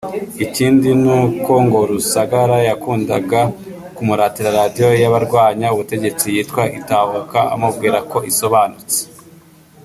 Ikindi ni uko ngo Rusagara yakundaga kumuratira Radio y’Abarwanya ubutegetsi yitwa ‘Itahuka’ amubwira ko isobanutse